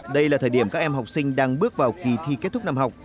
đây là thời điểm các em học sinh đang bước vào kỳ thi kết thúc năm học